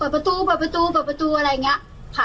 แล้วก็บอกว่าเปิดประตูอะไรอย่างนี้ค่ะ